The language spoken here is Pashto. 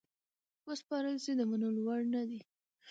وسپارل سي د منلو وړ نه دي.